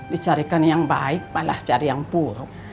dicarikan yang baik malah cari yang buruk